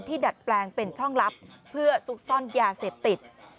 ดัดแปลงเป็นช่องลับเพื่อซุกซ่อนยาเสพติด